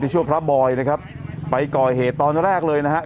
นี่ช่วยพระบอยนะครับไปก่อเหตุตอนแรกเลยนะฮะ